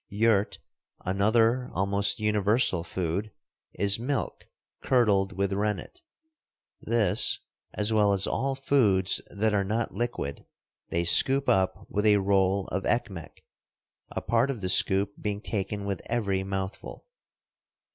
Yaourt, another almost universal food, is milk curdled with rennet. This, as well as all foods that are not liquid, they scoop up with a roll of ekmek, a part of the scoop being taken with every mouthful.